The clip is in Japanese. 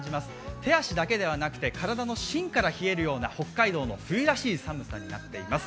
手足だけではなくて体の芯から冷えるような、北海道の冬らしい寒さになっています。